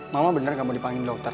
ma ma benar nggak mau dipanggil dokter